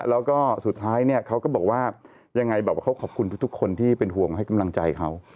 แล้วก็สุดท้ายเนี่ยเขาก็บอกว่ายังไงแบบว่าเขาขอบคุณทุกคนที่เป็นห่วงให้กำลังใจเขา